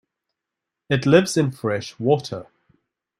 It lives in fresh water.